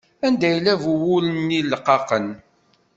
Anda yella bu wul-nni leqqaqen?